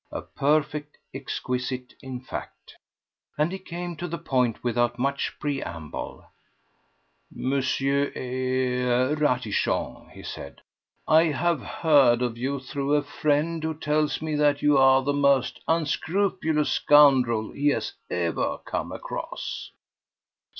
A perfect exquisite, in fact. And he came to the point without much preamble. "M.—er—Ratichon," he said, "I have heard of you through a friend, who tells me that you are the most unscrupulous scoundrel he has ever come across."